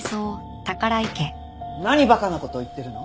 何を馬鹿な事言ってるの。